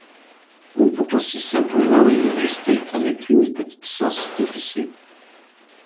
On peut aussi simplement les déguster avec une petite sauce épicée.